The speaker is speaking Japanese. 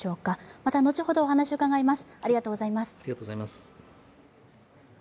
また後ほど、お話を伺います。